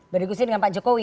berdiskusi dengan pak jokowi